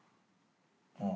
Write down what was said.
ああ。